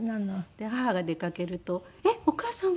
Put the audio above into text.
で母が出かけるとお母さんは？